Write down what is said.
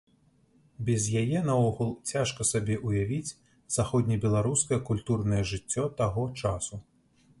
Без яе наогул цяжка сабе ўявіць заходнебеларускае культурнае жыццё таго часу.